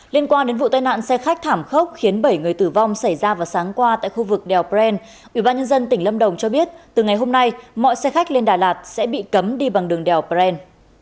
liên quan đến vụ tai nạn xe khách thảm khốc khiến bảy người tử vong xảy ra vào sáng qua tại khu vực đèo pren ubnd tỉnh lâm đồng cho biết từ ngày hôm nay mọi xe khách lên đà lạt sẽ bị cấm đi bằng đường đèo bren